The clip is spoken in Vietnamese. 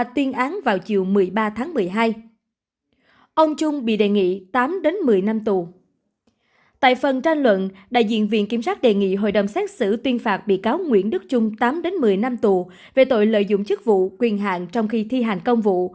tại phần tranh luận đại diện viện kiểm sát đề nghị hội đồng xét xử tuyên phạt bị cáo nguyễn đức trung tám một mươi năm tù về tội lợi dụng chức vụ quyền hạn trong khi thi hành công vụ